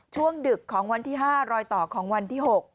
ดึกของวันที่๕รอยต่อของวันที่๖